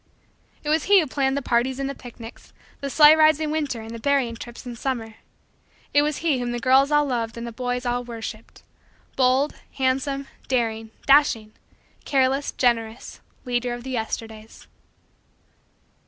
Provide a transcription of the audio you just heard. It was he who planned the parties and the picnics; the sleigh rides in winter and the berrying trips in summer. It was he whom the girls all loved and the boys all worshiped bold, handsome, daring, dashing, careless, generous, leader of the Yesterdays.